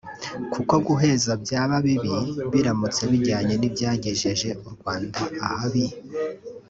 kuko guheza byaba bibi biramutse bijyanye n’ibyagejeje u Rwanda ahabi